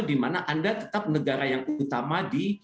di mana anda tetap negara yang utama